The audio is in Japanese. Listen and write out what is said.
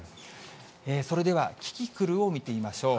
それでは、キキクルを見てみましょう。